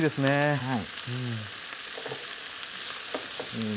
はい。